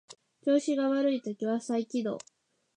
調子が悪い時は再起動